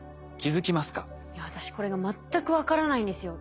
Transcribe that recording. いや私これが全く分からないんですよ。